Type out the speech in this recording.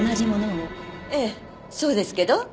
ええそうですけど。